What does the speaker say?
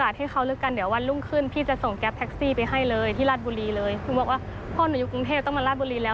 ที่ราชบุรีเลยหนูบอกว่าพ่อหนูอยู่กรุงเทพฯต้องมาราชบุรีแล้ว